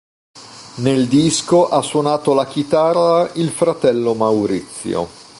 Nel disco ha suonato la chitarra il fratello Maurizio.